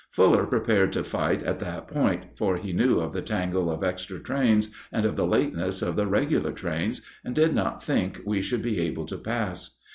Fuller prepared to fight at that point, for he knew of the tangle of extra trains, and of the lateness of the regular trains, and did not think we should be able to pass.